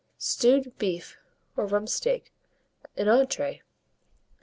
STEWED BEEF or RUMP STEAK (an Entree).